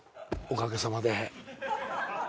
おかげさまで。